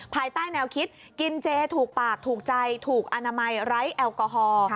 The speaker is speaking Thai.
ภายใต้แนวคิดกินเจถูกปากถูกใจถูกอนามัยไร้แอลกอฮอล์